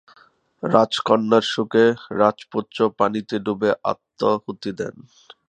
রাজকন্যার শোকে রাজপুত্র পানিতে ডুবে আত্মাহুতি দেন।